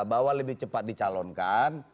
bahwa lebih cepat dicalonkan